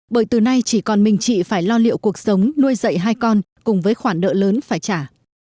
bởi từ nay chỉ còn mình chị phải lo liệu cuộc sống nuôi dậy hai con cùng với khoản nợ lớn phải trả